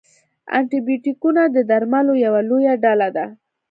انټي بیوټیکونه د درملو یوه لویه ډله ده.